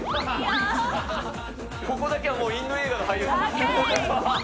ここだけはもうインド映画の俳優。